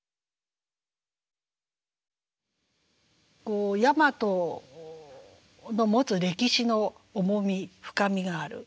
こう大和の持つ歴史の重み深みがある。